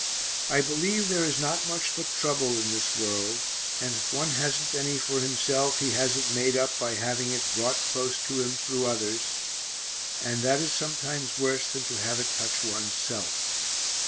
I believe there is not much but trouble in this world, and if one hasn't any for himself he has it made up by having it brought close to him through others, and that is sometimes worse than to have it touch one's self.